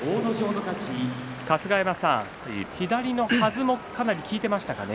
春日山さん、左のはずもかなり効いていましたかね。